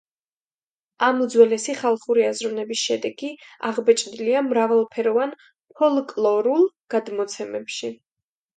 ამ უძველესი ხალხური აზროვნების შედეგი აღბეჭდილია მრავალფეროვან ფოლკლორულ გადმოცემებში.